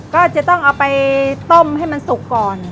ก็จะต้องเอาไปต้มให้มันสุกก่อน